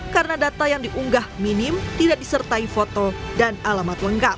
karena data yang diunggah minim tidak disertai foto dan alamat lengkap